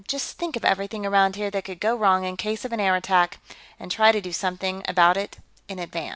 Just think of everything around here that could go wrong in case of an air attack, and try to do something about it in advance."